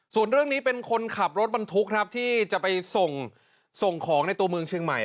ส่วนเรื่องนี้เป็นคนขับรถบรรทุกครับที่จะไปส่งส่งของในตัวเมืองเชียงใหม่